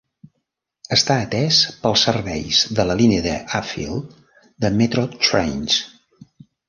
Està atès pels serveis de la línia d'Upfield de Metro Trains.